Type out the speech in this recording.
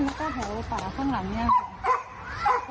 แล้วก็หางหัวป่าข้างหลังเนี่ยค่ะ